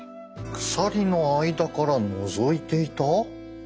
鎖の間からのぞいていた？